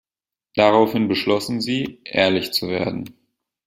Daraufhin beschlossen sie, ehrlich zu werden.